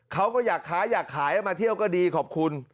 เขาก็อยากค้าอยากขายมาเที่ยวก็ดีขอบคุณ